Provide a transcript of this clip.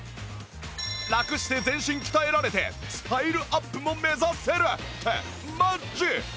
ラクして全身鍛えられてスタイルアップも目指せるってマジ？